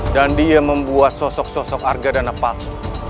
dan dia membuat sosok sosok arkadana palsu